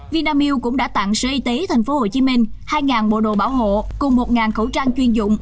vinamilk cũng đã tặng sở y tế tp hcm hai bộ đồ bảo hộ cùng một khẩu trang chuyên dụng